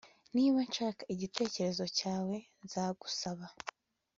Niba nshaka igitekerezo cyawe nzagusaba